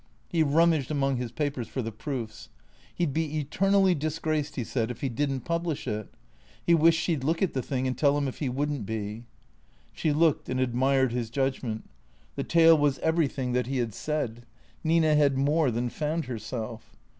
He rummaged among his papers for the proofs. He 'd be eternally disgraced, he said, if he did n't pub lish it. He wished she 'd look at the thing and tell him if he would n't be. She looked and admired his judgment. The tale was every thing that he had said. Nina had more than found herself.